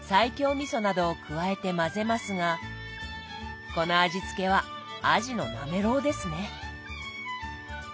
みそなどを加えて混ぜますがこの味付けはあじのなめろうですね。